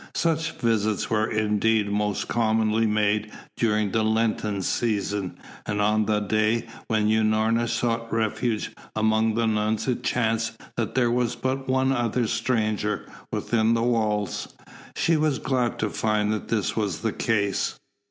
Such visits were indeed most commonly made during the lenten season, and on the day when Unorna sought refuge among the nuns it chanced that there was but one other stranger within the walls. She was glad to find that this was the case.